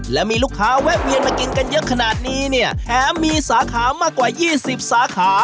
และมีลูกค้าแวะเวียนมากินกันเยอะขนาดนี้เนี่ยแถมมีสาขามากกว่ายี่สิบสาขา